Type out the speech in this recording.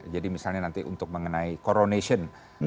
jadi misalnya nanti untuk mengenai coronation